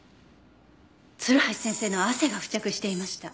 鶴橋先生の汗が付着していました。